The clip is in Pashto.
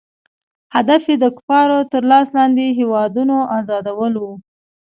هدف یې د کفارو تر لاس لاندې هیوادونو آزادول وو.